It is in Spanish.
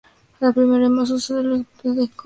La primera y más usada es la entrada por Cucao.